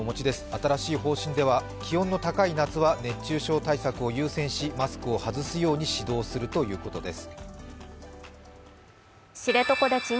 新しい方針では気温の高い夏は熱中症対策を優先しマスクを外すように指導するということです。